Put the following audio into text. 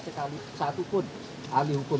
sekali satupun alih hukum